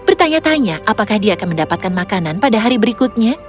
bertanya tanya apakah dia akan mendapatkan makanan pada hari berikutnya